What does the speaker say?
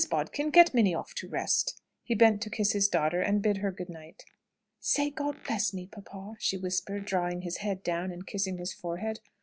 Bodkin, get Minnie off to rest." He bent to kiss his daughter, and bid her good night. "Say 'God bless' me, papa," she whispered, drawing his head down and kissing his forehead.